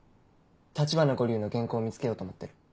橘五柳の原稿を見つけようと思ってる。